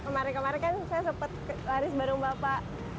kemarin kemarin kan saya sempat laris bareng bapak